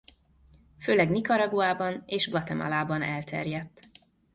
Főleg Nicaraguában és Guatemalában elterjedt.